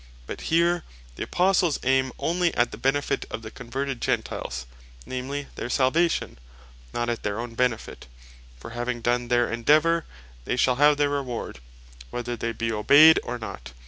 But here, the Apostles aime onely at the benefit of the converted Gentiles, namely their Salvation; not at their own benefit; for having done their endeavour, they shall have their reward, whether they be obeyed, or not.